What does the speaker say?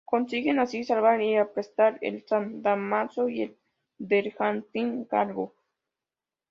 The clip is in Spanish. Consiguen así salvar y apresar el "San Dámaso" y el bergantín "Galgo".